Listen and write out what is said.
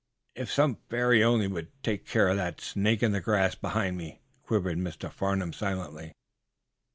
"If some fairy only would take care of that snake in the grass behind me!" quivered Mr. Farnum, silently.